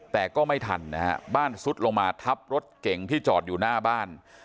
แต่ก็ไม่ทันนะฮะบ้านซุดลงมาทับรถเก่งที่จอดอยู่หน้าบ้าน